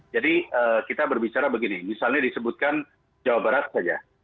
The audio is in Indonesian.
jadi kita berbicara begini misalnya disebutkan jawa barat saja